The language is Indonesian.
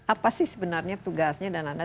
apa sih sebenarnya tugasnya dan anda